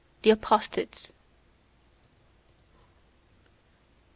THE APOSTATES. 1.